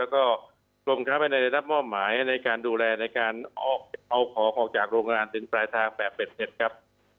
กลมค้าไปในระดับหม้อหมายในการดูแลในการเอาของออกจากโรงงานถึงปลายทางแบบเป็ดเผ็ดครับ